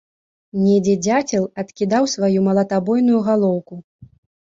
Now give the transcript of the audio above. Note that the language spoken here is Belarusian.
Недзе дзяцел адкідаў сваю малатабойную галоўку.